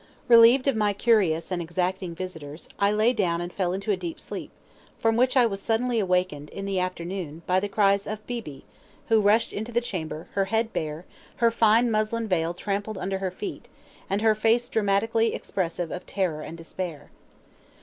Relieved of my curious and exacting visitors, I lay down and fell into a deep sleep, from which I was suddenly awakened, in the afternoon, by the cries of Beebe, who rushed into the chamber, her head bare, her fine muslin veil trampled under her feet, and her face dramatically expressive of terror and despair.